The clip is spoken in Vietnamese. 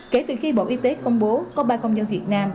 kể từ khi bộ y tế công bố có ba công dân việt nam